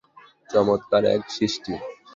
চমৎকার এক সৃষ্টি।